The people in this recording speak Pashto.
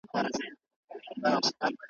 له ازله پیدا کړي خدای پمن یو `